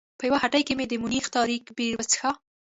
په یوه هټۍ کې مې د مونیخ تاریک بیر وڅښه.